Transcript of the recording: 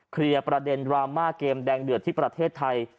เคลียร์ประเด็นดราม่าเกมแดงเดือดที่ประเทศไทย